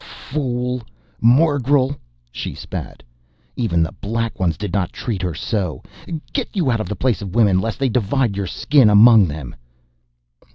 "Fool! Morgel!" she spat. "Even the Black Ones did not treat her so. Get you out of the Place of Women lest they divide your skin among them!"